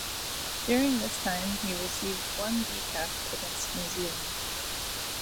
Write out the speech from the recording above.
During this time he received one B cap against New Zealand.